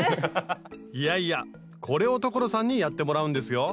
いやいやこれを所さんにやってもらうんですよ